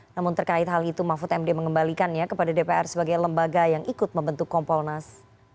namun terkait hal itu mahfud md mengembalikannya kepada dpr sebagai lembaga yang ikut membentuk kompolnas